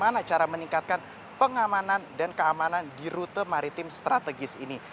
bagaimana cara meningkatkan pengamanan dan keamanan di rute maritim strategis ini